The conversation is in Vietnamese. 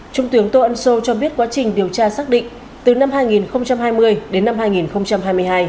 trung tướng tô ân sô cho biết quá trình điều tra xác định từ năm hai nghìn hai mươi đến năm hai nghìn hai mươi hai